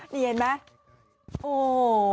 นี่เห็นไหม